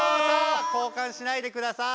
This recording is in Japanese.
交かんしないでください。